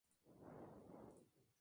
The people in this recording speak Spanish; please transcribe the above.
Trabajó en Sevilla, Londres y Roma.